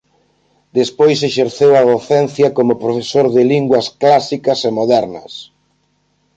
Despois exerceu a docencia como profesor de linguas clásicas e modernas.